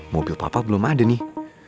mobil papa belum ada nih